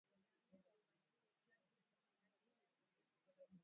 Ngamia wapatiwe chanjo kwa wakati sahihi